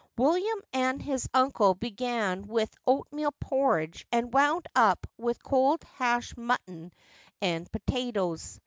William and his uncle began with oat meal porridge, and wound up with cold hashed mutton and potatoes.